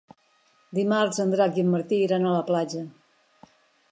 Dimarts en Drac i en Martí iran a la platja.